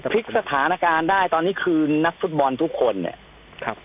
พลิกสถานการณ์ได้ตอนนี้คือนักฟุตบอลทุกคนเนี่ยครับ